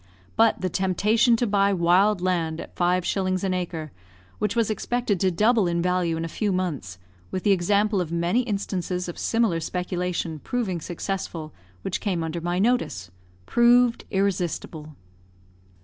But the temptation to buy wild land at 5s. an acre, which was expected to double in value in a few months, with the example of many instances of similar speculation proving successful which came under my notice, proved irresistible.